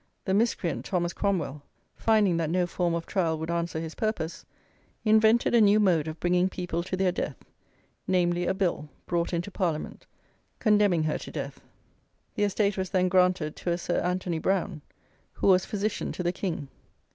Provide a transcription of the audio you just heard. The miscreant Thomas Cromwell, finding that no form of trial would answer his purpose, invented a new mode of bringing people to their death; namely, a Bill, brought into Parliament, condemning her to death. The estate was then granted to a Sir Anthony Brown, who was physician to the king.